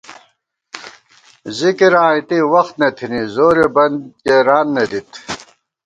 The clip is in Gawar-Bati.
ذِکراں اِتے وخت نہ تھنی، زورے بندکېران نہ دِت